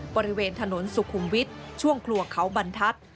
บริเวณถนนสุขุมวิทย์ช่วงครัวเขาบรรทัศน์